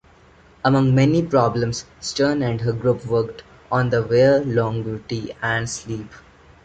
Among many problems Stern and her group worked on were longevity and sleep.